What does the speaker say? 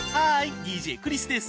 ＤＪクリスです。